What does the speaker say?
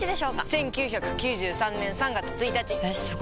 １９９３年３月１日！えすご！